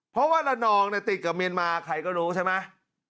เพราะว่าละนองติดกับเมียนมาใครก็รู้ใช่ไหม